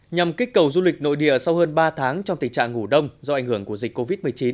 nhằm kích cầu du lịch nội địa sau hơn ba tháng trong tình trạng ngủ đông do ảnh hưởng của dịch covid một mươi chín